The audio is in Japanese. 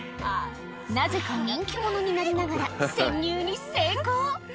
なぜか人気者になりながら、潜入に成功。